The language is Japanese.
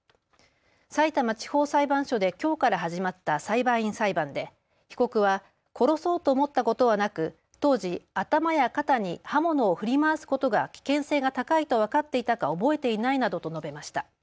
さいたま地方裁判所できょうから始まった裁判員裁判で被告は殺そうと思ったことはなく当時、頭や肩に刃物を振り回すことが危険性が高いと分かっていたか覚えていないなどと述べました。